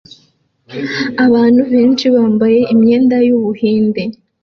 Abantu benshi bambaye imyenda y'Ubuhinde